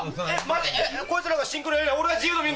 こいつらがシンクロやれりゃ俺は自由の身になれる。